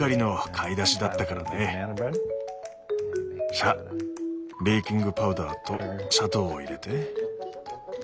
さあベーキングパウダーと砂糖を入れて。